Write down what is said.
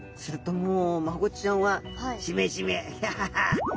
もう。